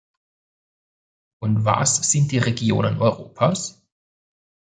Und was sind die Regionen Europas?